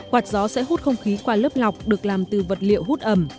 quạt gió sẽ hút không khí qua lớp lọc được làm từ vật liệu hút ẩm